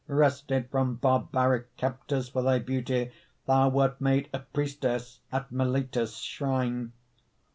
Wrested from barbaric Captors for thy beauty, Thou wert made a priestess At Mylitta's shrine.